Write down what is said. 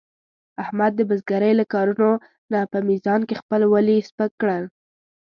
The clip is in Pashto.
احمد د بزرګرۍ له کارونو نه په میزان کې خپل ولي سپک کړل.